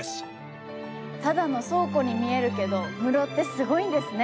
ただの倉庫に見えるけど室ってすごいんですね！